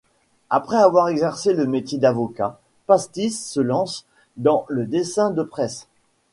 Après avoir exercé le métier d'avocat, Pastis se lance dans le dessin de presse.